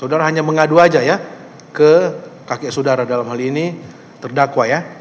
saudara hanya mengadu saja ya ke kakek saudara dalam hal ini terdakwa ya